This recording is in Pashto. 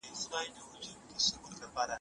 همدا د استعمار لومړنۍ څپې پر اسیا.